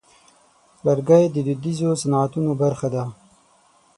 لرګی د دودیزو صنعتونو برخه ده.